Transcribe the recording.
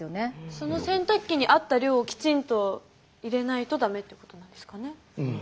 その洗濯機に合った量をきちんと入れないとダメってことなんですかね。